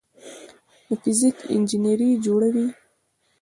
د فزیک انجینري جوړوي.